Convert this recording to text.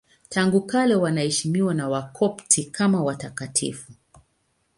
Tangu kale wanaheshimiwa na Wakopti kama watakatifu.